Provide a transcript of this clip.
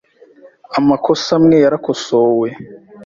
Amakosa amwe yarakosowe .